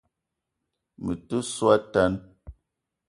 Me te so a tan